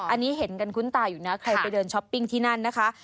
อันนี้เห็นกันคุ้นตาอยู่นะใครไปเดินช้อปปิ้งที่นั่นนะคะ